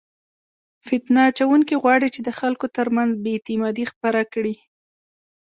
فتنه اچونکي غواړي چې د خلکو ترمنځ بې اعتمادي خپره کړي.